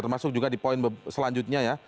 termasuk juga di poin selanjutnya ya